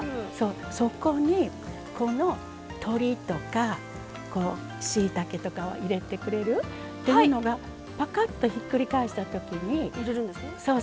そこに、この鶏とかしいたけとかを入れてくれる？っていうのが、ぱかっとひっくり返したときに。